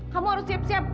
kamu harus siap siap